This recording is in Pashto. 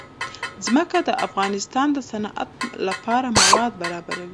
ځمکه د افغانستان د صنعت لپاره مواد برابروي.